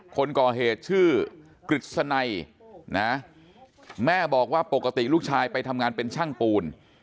คนก่อเหตุชื่อกฤษณัยนะแม่บอกว่าปกติลูกชายไปทำงานเป็นช่างปูน